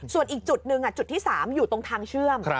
ส่วนอีกจุดหนึ่งจุดที่๓อยู่ตรงทางเชื่อม